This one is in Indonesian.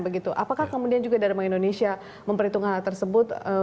apakah kemudian juga dharma indonesia memperhitungkan hal tersebut